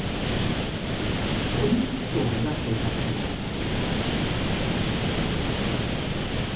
オリンピックを目指していたこともあります。